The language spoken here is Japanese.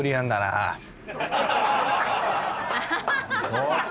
おっ！